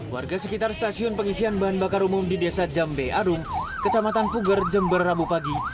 warga sekitar stasiun pengisian bahan bakar umum di desa jambe arum kecamatan puger jember rabu pagi